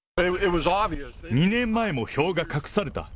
２年前も票が隠された。